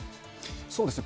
そうですね。